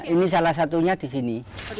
ini salah satunya di sini